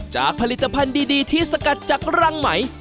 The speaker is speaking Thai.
จากผลิตภัณฑ์ดีที่สกัดจากรังไหม